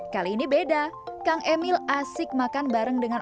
kali ini beda kang emil asik makan bareng dengan